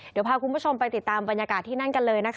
เดี๋ยวพาคุณผู้ชมไปติดตามบรรยากาศที่นั่นกันเลยนะคะ